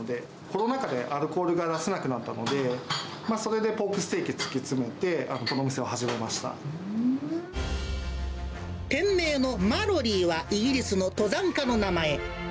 コロナ禍でアルコールが出せなくなったので、それでポークステーキ突き詰めて、店名のマロリーは、イギリスの登山家の名前。